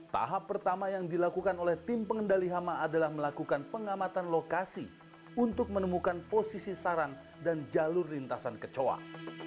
tahap pertama yang dilakukan oleh tim pengendali hama adalah melakukan pengamatan lokasi untuk menemukan posisi sarang dan jalur lintasan kecoa